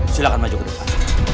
silahkan maju ke depan